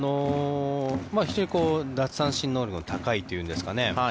非常に奪三振能力の高いというんですかね